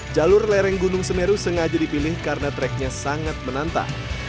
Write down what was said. jalur lereng gunung semeru sengaja dipilih karena treknya sangat menantang